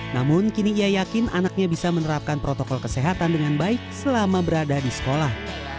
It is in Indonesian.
namun kini ia yakin anaknya bisa menerapkan protokol kesehatan dengan baik selama berada di sekolah